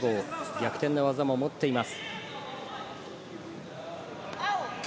逆転の技も持っています。